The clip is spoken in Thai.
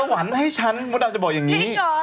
หวันให้ฉันมฤดนะคะจะบอกอย่างนี้